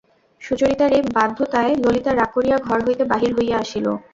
সুচরিতার এই বাধ্যতায় ললিতা রাগ করিয়া ঘর হইতে বাহির হইয়া আসিল।